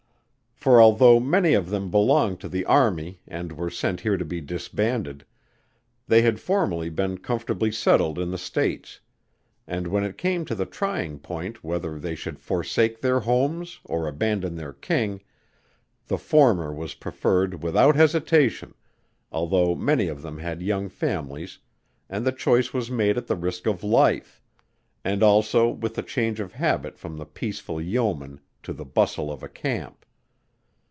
For although many of them belonged to the army and were sent here to be disbanded, they had formerly been comfortably settled in the States; and when it came to the trying point whether they should forsake their homes or abandon their King, the former was preferred without hesitation, although many of them had young families and the choice was made at the risk of life, and also with the change of habit from the peaceful yeoman to the bustle of a camp.